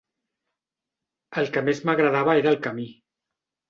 El que més m'agradava era el camí.